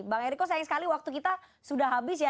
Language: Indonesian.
bang eriko sayang sekali waktu kita sudah habis ya